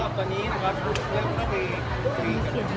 รัฐพุรกเรียกตะเบียกับเฮียเราที่เจอ